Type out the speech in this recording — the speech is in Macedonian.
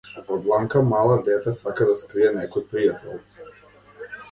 Во дланка мала дете сака да скрие некој пријател.